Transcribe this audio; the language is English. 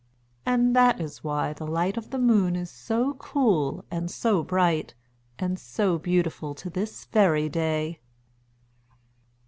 And that is why the light of the Moon is so cool, and so bright, and so beautiful to this very day.